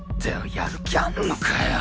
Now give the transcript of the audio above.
やる気あんのかよ。